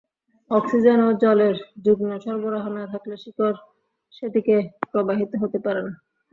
Oxygen ও জলের যুগ্ম সরবরাহ না থাকলে শিকড় সেদিকে প্রবাহিত হতে পারে না।